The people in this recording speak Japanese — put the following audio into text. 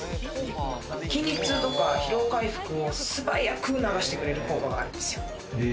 筋肉痛とか疲労回復を素早く促してくれる効果があるんですよ。